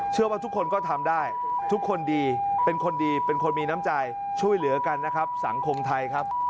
เชื่อว่าทุกคนก็ทำได้ทุกคนดีเป็นคนดีเป็นคนมีน้ำใจช่วยเหลือกันนะครับสังคมไทยครับ